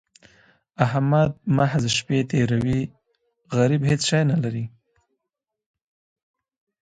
احمد محض شپې تېروي؛ غريب هيڅ شی نه لري.